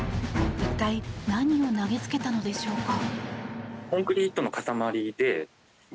一体、何を投げつけたのでしょうか。